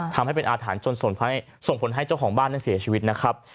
ทำให้อาถารจนส่งผลให้เจ้าของบ้านเสียชีวิตนะครับ